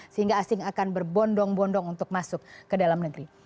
sehingga asing akan berbondong bondong untuk masuk ke dalam negeri